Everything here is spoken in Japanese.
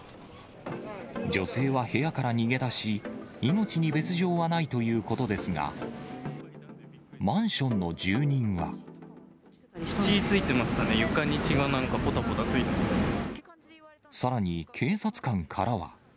女性は部屋から逃げ出し、命に別状はないということですが、血ついてましたね、床に血がなんか、さらに、警察官からは。